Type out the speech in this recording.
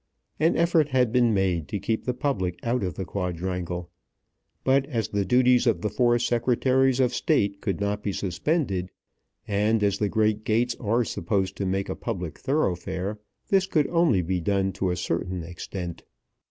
An effort had been made to keep the public out of the quadrangle; but as the duties of the four Secretaries of State could not be suspended, and as the great gates are supposed to make a public thoroughfare, this could only be done to a certain extent.